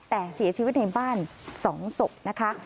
แต่เสียชีวิตในบ้าน๒ศพนะคะ